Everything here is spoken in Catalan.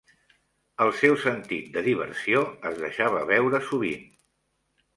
El seu sentit de diversió es deixava veure sovint.